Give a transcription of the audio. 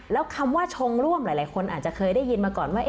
แล้วคำว่าชงร่วมหลายคนอาจจะเคยได้ยินมาก่อนว่า